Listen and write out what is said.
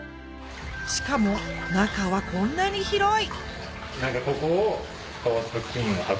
しかも中はこんなに広い！